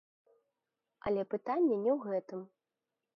Але пытанне не ў гэтым.